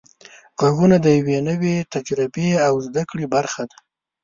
غږونه د یوې نوې تجربې او زده کړې برخه ده.